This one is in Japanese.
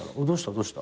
どうした？